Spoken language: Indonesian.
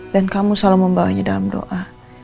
dan kamu selalu membawanya dalam doa